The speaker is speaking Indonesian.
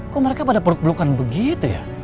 kok mereka pada perut belukan begitu ya